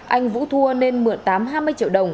anh vũ thua nên mượn tám mươi triệu đồng